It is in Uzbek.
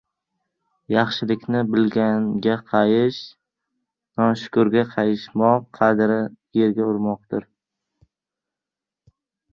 Yaxshilikni bilganga qayish, noshukurga qayishmoq qadrni yerga urmoqdir.